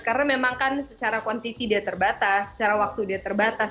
karena memang kan secara kuantiti dia terbatas secara waktu dia terbatas